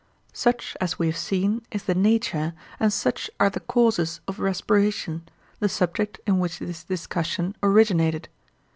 Such as we have seen, is the nature and such are the causes of respiration,—the subject in which this discussion originated.